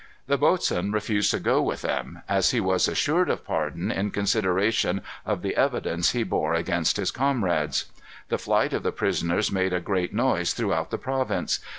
The boatswain refused to go with them, as he was assured of pardon in consideration of the evidence he bore against his comrades. The flight of the prisoners made a great noise throughout the province.